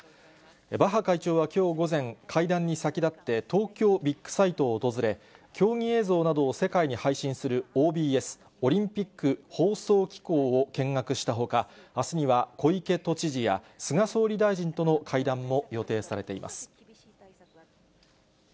バッハ会長はきょう午前、会談に先立って東京ビッグサイトを訪れ、競技映像などを世界に配信する、ＯＢＳ・オリンピック放送機構を見学したほか、あすには小池都知事や、菅総理大臣との会談も予定されています。